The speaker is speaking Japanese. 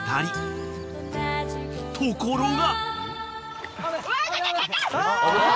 ［ところが］